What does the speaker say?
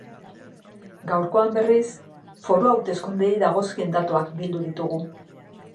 Gaurkoan, berriz, foru hauteskundeei dagozkien datuak bildu ditugu.